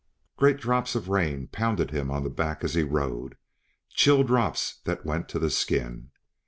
Great drops of rain pounded him on the back as he rode chill drops, that went to the skin.